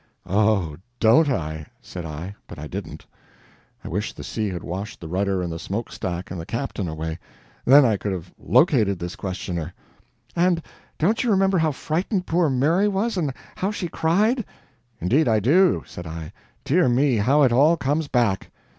"Oh, DON'T I!" said I but I didn't. I wished the sea had washed the rudder and the smoke stack and the captain away then I could have located this questioner. "And don't you remember how frightened poor Mary was, and how she cried?" "Indeed I do!" said I. "Dear me, how it all comes back!"